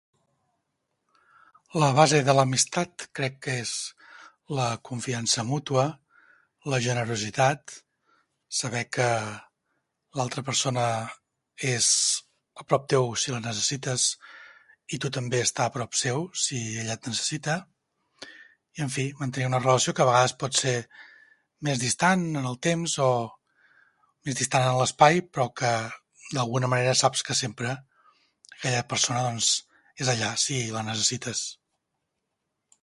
La base de l'amistat crec que és la confiança mútua, la generositat, saber que l'altra persona és a prop teu si la necessites i tu també estar a prop seu si ella et necessita. En fi, mantenir una relació que a vegades pot ser més distant en el temps o més distant en l'espai però que d'alguna manera saps que sempre aquella persona és allà si la necessites